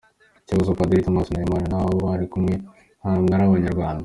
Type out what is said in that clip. Ikibazo : Padiri Thomas Nahimana n’abo bari kumwe ntabwo ari abanyarwanda ?